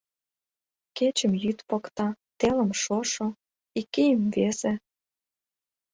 Кечым йӱд покта, телым — шошо, ик ийым — весе.